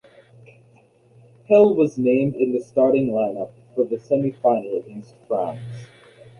Hill was named in the starting line up for the semi-final against France.